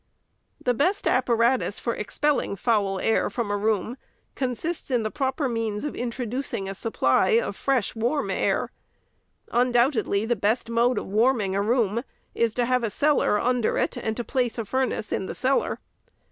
The best apparatus for expelling foul air from a room 44C REPORT OP THE SECRETARY consists in the proper means of introducing a supply of fresh warm air. Undoubtedly, the best mode of warming a room is to have a cellar under it, and to place a furnace in the cellar.